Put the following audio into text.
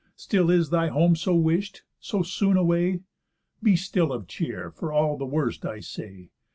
Still is thy home so wish'd? So soon, away? Be still of cheer, for all the worst I say.